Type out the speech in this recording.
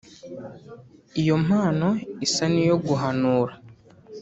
Iyo mpano isa n’iyo guhanura